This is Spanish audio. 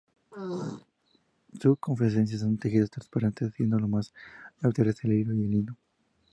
Se confeccionan en tejidos transparentes, siendo los más habituales el hilo y el lino.